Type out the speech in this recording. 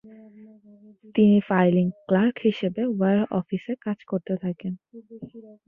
তিনি filing clerk হিসেবে war অফিসে কাজ করতে থাকেন।